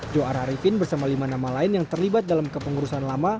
joar arifin bersama lima nama lain yang terlibat dalam kepengurusan lama